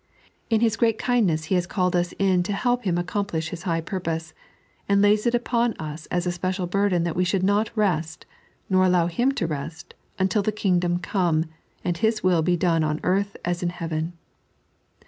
In His great kindness He ha^ called us in to help Him accomplish His high purpose, and lays it upon us as a special burden that we should not rest, nor allow Him to rettt, until the Kingdom come, and His will be done on earth as in heaven.